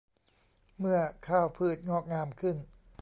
เมื่อข้าวพืชงอกงามขึ้น